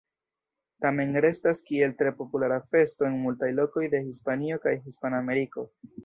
Tamen restas kiel tre populara festo en multaj lokoj de Hispanio kaj Hispanameriko.